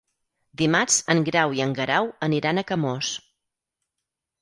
Dimarts en Grau i en Guerau aniran a Camós.